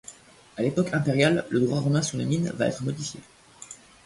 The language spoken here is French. À l'époque impériale, le droit romain sur les mines va être modifié.